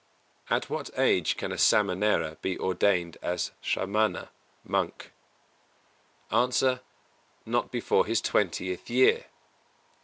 At what age can a Samanera be ordained as Sramana monk? A. Not before his twentieth year.